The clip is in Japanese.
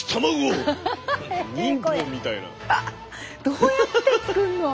どうやって作んの？